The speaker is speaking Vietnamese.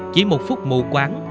chỉ một phút mù quán